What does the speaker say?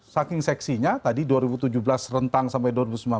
saking seksinya tadi dua ribu tujuh belas rentang sampai dua ribu sembilan belas